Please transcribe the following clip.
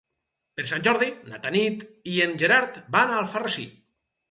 Per Sant Jordi na Tanit i en Gerard van a Alfarrasí.